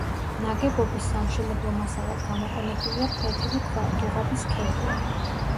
ნაგებობის სამშენებლო მასალად გამოყენებულია ფლეთილი ქვა, დუღაბი სქელია.